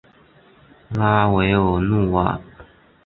拉韦尔努瓦。